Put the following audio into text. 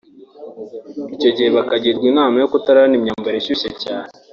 Icyo gihe bakagirwa inama yo kutararana imyambaro ishyushye cyane